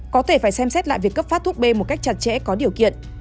có thể phải xem xét lại việc cấp phát thuốc b một cách chặt chẽ có điều kiện